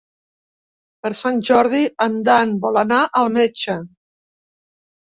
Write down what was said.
Per Sant Jordi en Dan vol anar al metge.